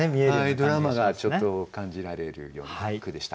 ドラマが感じられるような句でした。